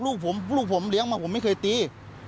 ลูกผมเลี้ยงมาผมไม่เคยตี